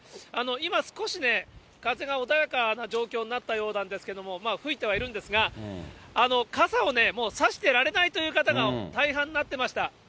今、少しね、風が穏やかな状況になったようなんですが、吹いてはいるんですが、傘を差してられないという方が大半になってました。